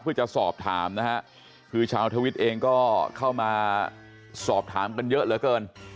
เพื่อจะสอบถามนะฮะคือชาวทวิตเองก็เข้ามาสอบถามกันเยอะเหลือเกิน